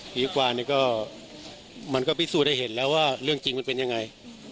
ดีกว่านี้ก็มันก็พิสูจน์ได้เห็นแล้วว่าเรื่องจริงมันเป็นยังไง